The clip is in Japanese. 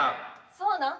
そうなん？